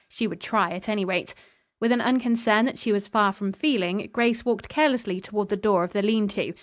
She would try, at any rate. With an unconcern that she was far from feeling, Grace walked carelessly toward the door of the lean to.